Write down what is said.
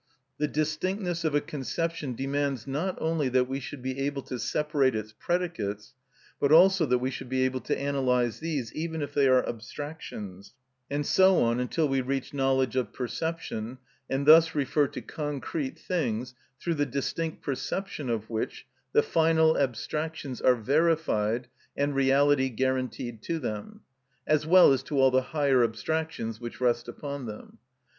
The distinctness of a conception demands not only that we should be able to separate its predicates, but also that we should be able to analyse these even if they are abstractions, and so on until we reach knowledge of perception, and thus refer to concrete things through the distinct perception of which the final abstractions are verified and reality guaranteed to them, as well as to all the higher abstractions which rest upon them.